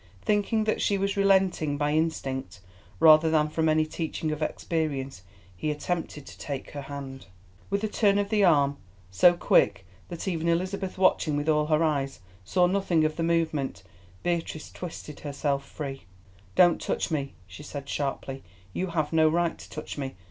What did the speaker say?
Thinking that she was relenting, by instinct, rather than from any teaching of experience, he attempted to take her hand. With a turn of the arm, so quick that even Elizabeth watching with all her eyes saw nothing of the movement, Beatrice twisted herself free. "Don't touch me," she said sharply, "you have no right to touch me.